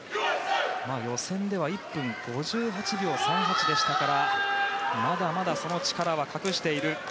予選は１分５８秒３８でしたからまだまだその力は隠している。